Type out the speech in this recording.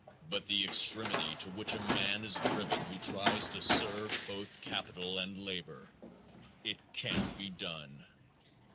But the extremity to which a man is driven who tries to serve both capital and labor! It can't be done.